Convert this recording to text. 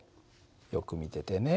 よく見ててね。